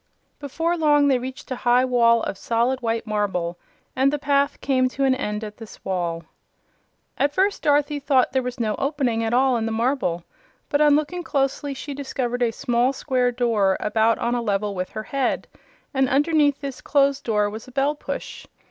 Before long they reached a high wall of solid white marble, and the path came to an end at this wall. At first Dorothy thought there was no opening at all in the marble, but on looking closely she discovered a small square door about on a level with her head, and underneath this closed door was a bell push.